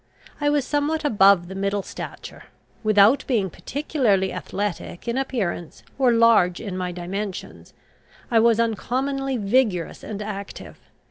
I was somewhat above the middle stature. Without being particularly athletic in appearance, or large in my dimensions, I was uncommonly vigorous and active.